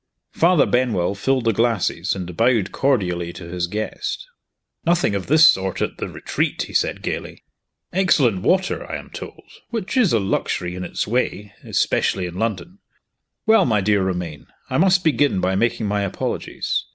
Father Benwell filled the glasses and bowed cordially to his guest. "Nothing of this sort at The Retreat!" he said gayly. "Excellent water, I am told which is a luxury in its way, especially in London. Well, my dear Romayne, I must begin by making my apologies.